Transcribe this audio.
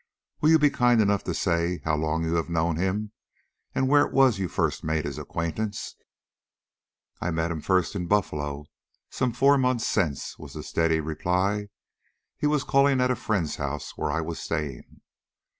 "Will you be kind enough to say how long you have known him and where it was you first made his acquaintance?" "I met him first in Buffalo some four months since," was the steady reply. "He was calling at a friend's house where I was staying."